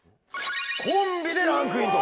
コンビでランクインと。